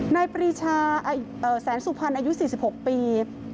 ปรีชาแสนสุพรรณอายุ๔๖ปี